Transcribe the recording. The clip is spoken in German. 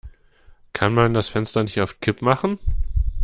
Kann man das Fenster nicht auf Kipp machen?